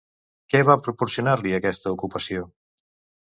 Què va proporcionar-li aquesta ocupació?